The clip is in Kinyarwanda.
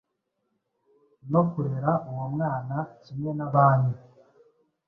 no kurera uwo mwana kimwe n’abanyu